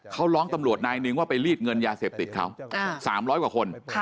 เขาร้องตำรวจนายนึงว่าไปรีดเงินยาเสพติดเขา๓๐๐กว่าคน